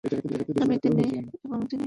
আমিই তিনি, এবং তিনিই আমি।